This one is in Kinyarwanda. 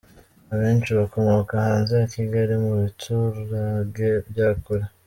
Abenshi bakomoka hanze ya Kigali mu biturage bya kure.